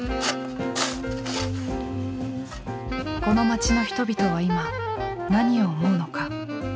この街の人々は今何を思うのか。